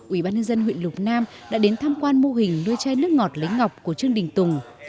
ủy ban nhân dân huyện lục nam đã đến tham quan mô hình nuôi chai nước ngọt lấy ngọc của trương đình tùng